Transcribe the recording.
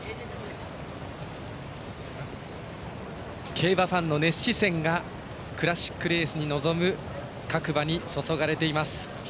競馬ファンの熱視線がクラシックレースに臨む各馬に注がれています。